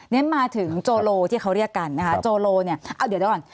เน้นมาถึงโจโลที่เขาเรียกกันนะคะโจโลเนี่ยเดี๋ยวด้วยก่อน